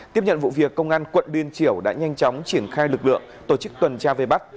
tiếp nhận vụ việc công an quận liên triểu đã nhanh chóng triển khai lực lượng tổ chức tuần tra về bắt